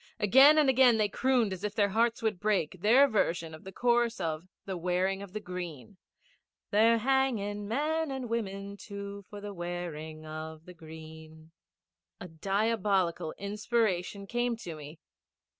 Again and again they crooned as if their hearts would break, their version of the chorus of the Wearing of the Green They're hanging men and women too, For the wearing of the green. A diabolical inspiration came to me.